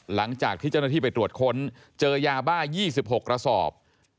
หลังจากที่เจ้าหน้าที่ไปตรวจค้นเจอยาบ้า๒๖กระสอบ